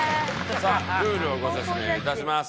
さあルールをご説明いたします。